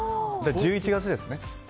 １１月ですね。